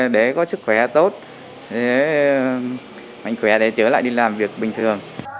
để có sức khỏe tốt mạnh khỏe để trở lại đi làm việc bình thường